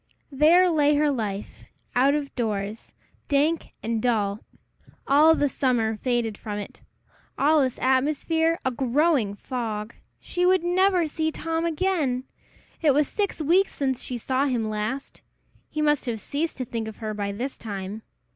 There lay her life out of doors dank and dull; all the summer faded from it all its atmosphere a growing fog! She would never see Tom again! It was six weeks since she saw him last! He must have ceased to think of her by this time!